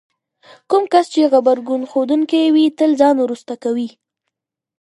کوم کس چې غبرګون ښودونکی وي تل ځان وروسته کوي.